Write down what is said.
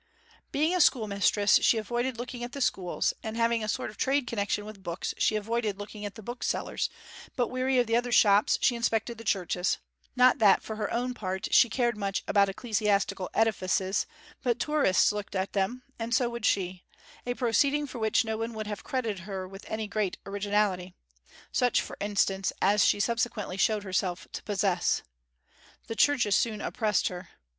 Being a schoolmistress she avoided looking at the schools, and having a sort of trade connection with books, she avoided looking at the booksellers; but wearying of the other shops she inspected the churches; not that for her own part she cared much about ecclesiastical edifices; but tourists looked at them, and so would she a proceeding for which no one would have credited her with any great originality, such, for instance, as that she subsequently showed herself to possess. The churches soon oppressed her.